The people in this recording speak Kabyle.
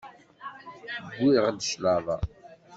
Wwiɣ-d claḍa.